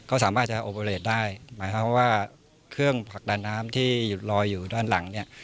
ก็สามารถจะโอโบเรทได้หมายความว่าเครื่องผลักดันน้ำที่ลอยอยู่ด้านหลังเนี่ย